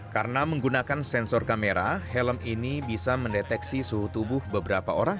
karena menggunakan sensor kamera helm ini bisa mendeteksi suhu tubuh beberapa orang